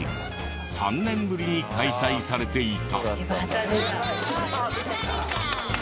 ３年ぶりに開催されていた。